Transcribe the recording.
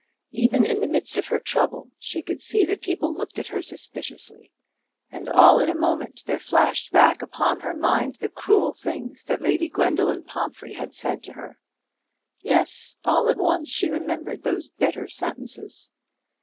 Even in the midst of her trouble she could see that people looked at her suspiciously; and all in a moment there flashed back upon her mind the cruel things that Lady Gwendoline Pomphrey had said to her. Yes; all at once she remembered those bitter sentences.